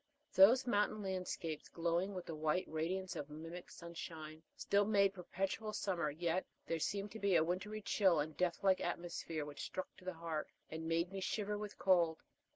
Those mountain landscapes, glowing with the white radiance of mimic sunshine, still made perpetual summer; yet there seemed to be a wintry chill and death like atmosphere which struck to the heart, and made me shiver with cold.